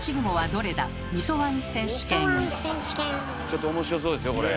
ちょっと面白そうですよこれ。